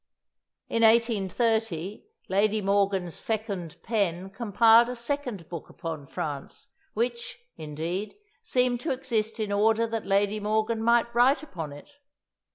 In 1830 Lady Morgan's fecund pen compiled a second book upon France, which, indeed, seemed to exist in order that Lady Morgan might write upon it.